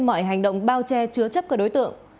mọi hành động bao che chứa chấp các đối tượng